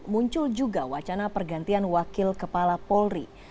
muncul juga wacana pergantian wakil kepala polri